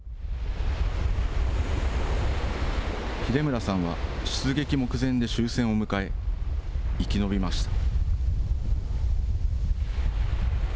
秀村さんは出撃目前で終戦を迎え、生き延びました。